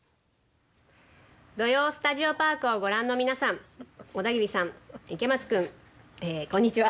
「土曜スタジオパーク」をご覧の皆さん、オダギリさん池松君、こんにちは。